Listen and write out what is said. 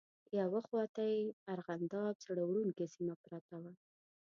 یوه خواته یې ارغنداب زړه وړونکې سیمه پرته.